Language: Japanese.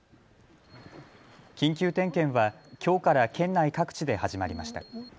緊急点検はきょうから県内各地で始まりました。